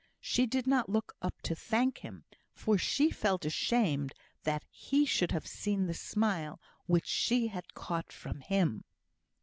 She did not look up to thank him, for she felt ashamed that he should have seen the smile which she had caught from him.